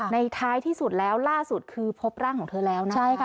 ท้ายที่สุดแล้วล่าสุดคือพบร่างของเธอแล้วนะใช่ค่ะ